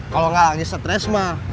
kalo gak disetres mah